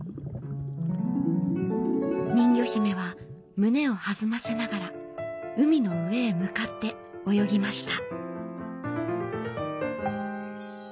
人魚姫は胸をはずませながら海の上へ向かって泳ぎました。